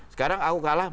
sekarang aku kalah